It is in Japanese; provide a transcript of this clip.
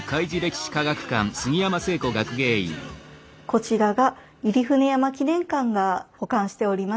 こちらが入船山記念館が保管しております